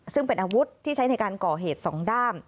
ซึ่งเป็นอาวุธที่ใช้ในการก่อเหตุ๒ด้าม